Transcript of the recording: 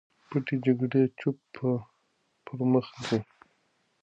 پټې جګړې چوپ پر مخ ځي.